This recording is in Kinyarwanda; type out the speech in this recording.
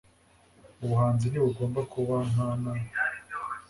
Ubuhanzi ntibugomba kuba nkana.